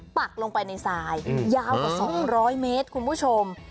ปักลงไปในทรายยาวกว่า๒๐๐เมตรคุณผู้ชม